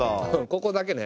ここだけね。